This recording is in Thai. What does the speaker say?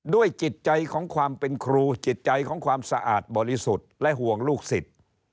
จิตใจของความเป็นครูจิตใจของความสะอาดบริสุทธิ์และห่วงลูกศิษย์